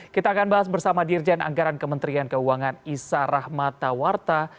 kita akan bahas bersama dirjen anggaran kementerian keuangan isa rahmatawarta